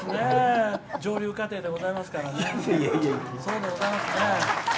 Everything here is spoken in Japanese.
上流家庭でございますからね。